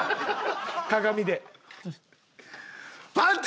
鏡で。